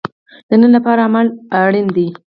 د نن لپاره عمل اړین دی